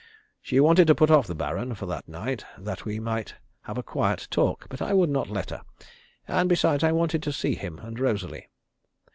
She wanted to put off the Baron for that night, that we might have a quiet talk, but I would not let her; and, besides, I wanted to see him and Rosalie.